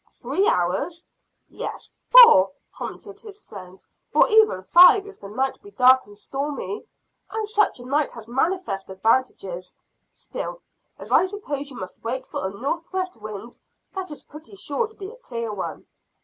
"Three hours! Yes, four," commented his friend; "or even five if the night be dark and stormy; and such a night has manifest advantages. Still, as I suppose you must wait for a northwest wind, that is pretty sure to be a clear one."